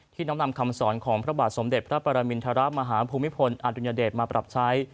น้อมนำคำสอนของพระบาทสมเด็จพระปรมินทรมาฮาภูมิพลอดุญเดชมาปรับใช้